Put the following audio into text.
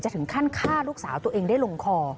ถึงขั้นฆ่าลูกสาวตัวเองได้ลงคอ